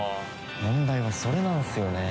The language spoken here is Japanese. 問題はそれなんすよねぇ。